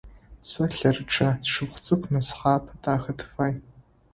Сэ лъэрычъэ, сшыпхъу цӏыкӏу нысхъапэ дахэ тыфай.